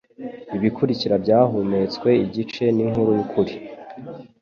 Ibikurikira byahumetswe igice ninkuru yukuri